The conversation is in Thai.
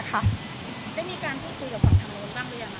ได้มีการพูดคุยกับฝั่งทางลงตั้งหรือยังค่ะ